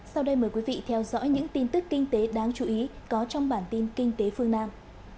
sau đây mời quý vị theo dõi những tin tức kinh tế đáng chú ý có trong bản tin kinh tế phương nam